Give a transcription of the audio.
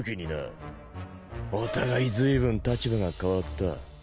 お互いずいぶん立場が変わった。